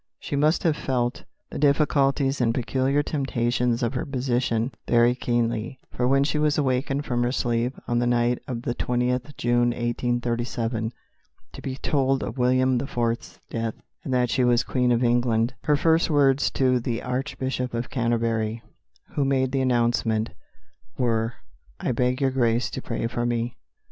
She must have felt the difficulties and peculiar temptations of her position very keenly, for when she was awakened from her sleep on the night of the 20th June 1837, to be told of William the Fourth's death, and that she was Queen of England, her first words to the Archbishop of Canterbury, who made the announcement, were, "I beg your Grace to pray for me."